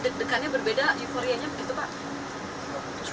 deg degannya berbeda euforianya begitu pak